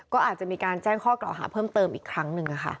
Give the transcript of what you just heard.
ก็อาจจะมีการแจ้งข้อกล่าวหาเพิ่มเติมอีกครั้งหนึ่ง